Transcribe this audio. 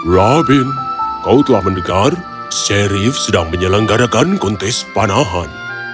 robin kau telah mendengar sherif sedang menyelenggarakan kontes panahan